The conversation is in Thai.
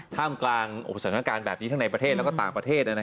ท่ามกลางสถานการณ์แบบนี้ทั้งในประเทศและต่างประเทศ